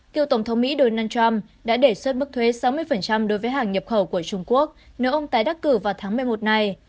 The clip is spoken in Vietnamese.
cựu tổng thống mỹ donald trump đã đề xuất mức thuế sáu mươi đối với hàng nhập khẩu của trung quốc nếu ông tái đắc cử vào tháng một mươi một này